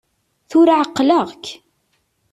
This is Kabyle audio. Tura ɛeqleɣ-k!